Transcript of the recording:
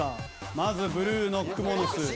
まずブルーのクモの巣。